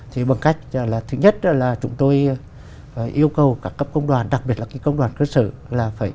thì bằng cách là thứ nhất là chúng tôi yêu cầu các cấp công đoàn đặc biệt là cái công đoàn cơ sở là phải